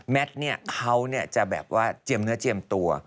แมทเนี่ยเขาเนี่ยจะแบบว่าเจียมเนื้อเจียมตัว